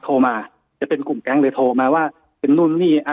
โทรมาจะเป็นกลุ่มแก๊งเลยโทรมาว่าเป็นนู่นนี่